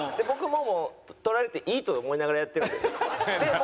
僕もう撮られていいと思いながらやってるんで。